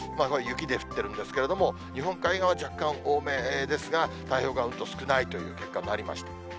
これは雪で降ってるんですけども、日本海側は若干多めですが、太平洋側はうんと少ないという結果になりました。